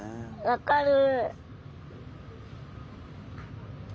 分かる。